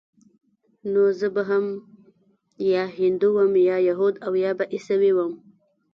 نو زه به هم يا هندو وم يا يهود او يا به عيسوى وم.